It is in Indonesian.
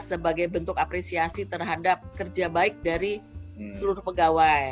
sebagai bentuk apresiasi terhadap kerja baik dari seluruh pegawai